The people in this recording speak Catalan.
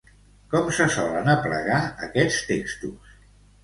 Com se solen aplegar aquests textos?